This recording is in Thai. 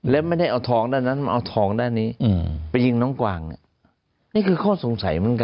และไม่ได้เอาทองด้านหนึ่ง